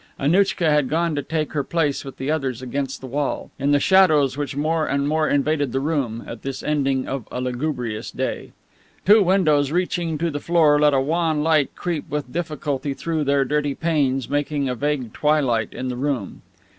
Annouchka had gone to take her place with the others against the wall, in the shadows which more and more invaded the room, at this ending of a lugubrious day. Two windows reaching to the floor let a wan light creep with difficulty through their dirty panes, making a vague twilight in the room.